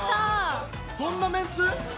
どんなメンツ？